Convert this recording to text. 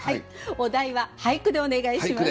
お題は「俳句」でお願いします。